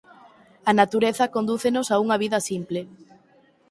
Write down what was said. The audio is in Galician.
A Natureza condúcenos a unha vida simple.